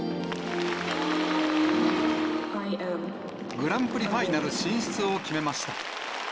グランプリファイナル進出を決め